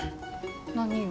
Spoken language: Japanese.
何を？